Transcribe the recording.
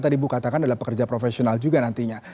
tadi bu katakan adalah pekerja profesional juga nantinya